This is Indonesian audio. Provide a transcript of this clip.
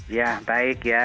ya baik ya